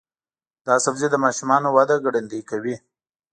دا سبزی د ماشومانو وده ګړندۍ کوي.